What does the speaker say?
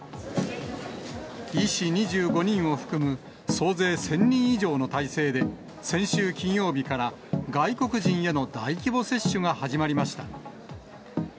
医師２５人を含む総勢１０００人以上の体制で、先週金曜日から外国人への大規模接種が始まりました。